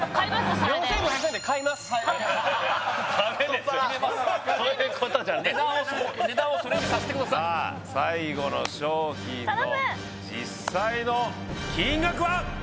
それでダメですよそういうことじゃねえ値段をそれにさしてくださいさあ最後の商品の実際の金額は？